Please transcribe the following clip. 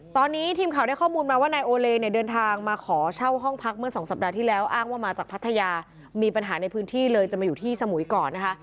ตอนนี้ทีมข่าวได้ข้อมูลมาว่านายโอเลเนี่ยเดินทางมาขอเช่าห้องพักเมื่อสองสัปดาห์ที่แล้วอ้างว่ามาจากพัทยามีปัญหาในพื้นที่เลยจะมาอยู่ที่สมุยก่อนนะคะ